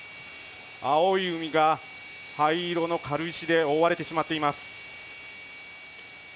青い海が、灰色の軽石で覆われてしまっています。